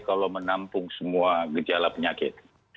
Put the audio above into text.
kalau menampung semua gejala penyakit